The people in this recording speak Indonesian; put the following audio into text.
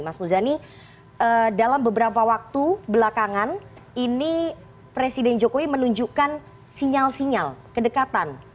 mas muzani dalam beberapa waktu belakangan ini presiden jokowi menunjukkan sinyal sinyal kedekatan